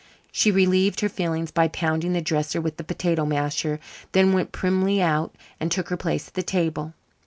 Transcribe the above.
She relieved her feelings by pounding the dresser with the potato masher, and then went primly out and took her place at the table.